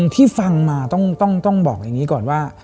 ที่ฟังมาต้องบอกอย่างนี้ก่อนว่า